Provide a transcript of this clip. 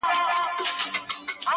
زه د خزان منځ کي لا سمسور یمه,